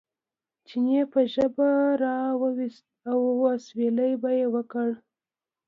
چیني به ژبه را وویسته او اسوېلی به یې وکړ.